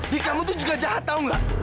di kamu tuh juga jahat tau gak